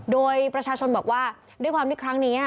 โดยประชาชนบอกว่าด้วยความที่ครั้งนี้